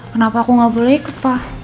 kenapa aku gak boleh ikut